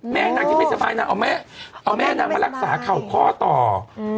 นางที่ไม่สบายนางเอาแม่เอาแม่นางมารักษาเข่าข้อต่อ